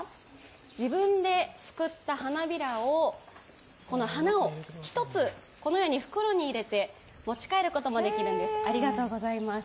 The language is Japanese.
自分ですくった花びらをこの花を１つ、このように袋に入れて持ち帰ることもできるんです、ありがとうございます。